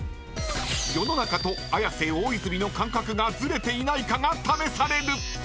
［世の中と綾瀬・大泉の感覚がずれていないかが試される！］